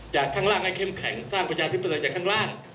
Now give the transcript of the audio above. ข้างล่างให้เข้มแข็งสร้างประชาธิปไตยจากข้างล่าง